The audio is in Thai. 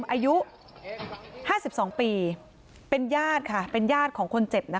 อายุ๕๒ปีเป็นญาติค่ะเป็นญาติของคนเจ็บนะคะ